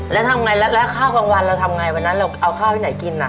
แล้วทำไงแล้วข้าวกลางวันเราทำไงวันนั้นเราเอาข้าวที่ไหนกินน่ะ